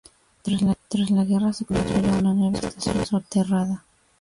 Tras la guerra se construyó una nueva estación soterrada.